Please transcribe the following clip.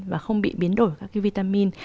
và không bị biến đổi các cái vitamin